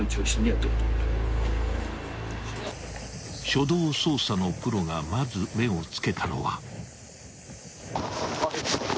［初動捜査のプロがまず目を付けたのは］